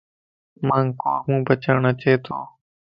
مانک قورمو پڇاڙ اچي تو.